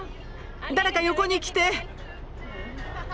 誰か横に来て。